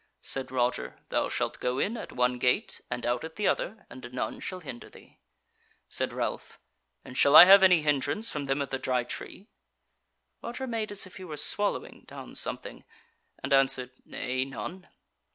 Said Roger: "Thou shalt go in at one gate and out at the other, and none shall hinder thee." Said Ralph: "And shall I have any hindrance from them of the Dry Tree?" Roger made as if he were swallowing down something, and answered: "Nay, none."